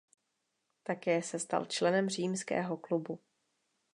Také se stal členem Římského klubu.